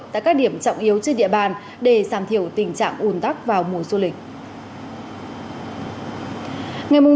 tại các điểm trọng yếu trên địa bàn để giảm thiểu tình trạng ủn tắc vào mùa du lịch